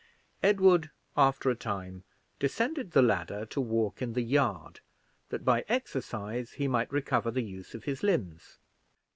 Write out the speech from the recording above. Edward, after a time, descended the ladder to walk in the yard, that by exercise he might recover the use of his limbs.